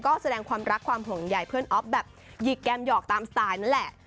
ก็แสดงความรักความห่วงใหญ่เพื่อนอ๊อฟแบบหยิกแกมหยอกตามสไตล์นั่นแหละ